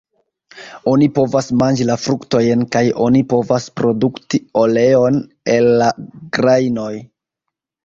Oni povas manĝi la fruktojn kaj oni povas produkti oleon el la grajnoj.